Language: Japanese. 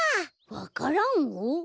わか蘭を？